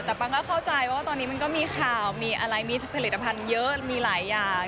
แต่ปังก็เข้าใจว่าตอนนี้มันก็มีข่าวมีอะไรมีผลิตภัณฑ์เยอะมีหลายอย่าง